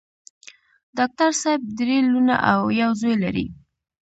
ډاکټر صېب درې لوڼه او يو زوے لري